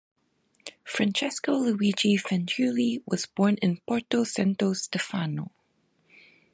Francesco Luigi Fanciulli was born in Porto Santo Stefano.